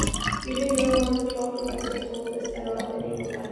Usually no more than twelve professors hold this title at any one time.